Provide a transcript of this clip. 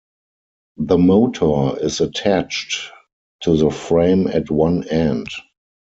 The motor is attached to the frame at one end.